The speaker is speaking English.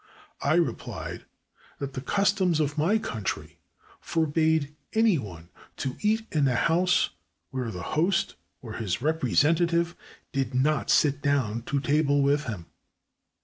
I repUed that the customs of my country forbade any one to eat in a house where the host, or his representative, did not sit down to table with him.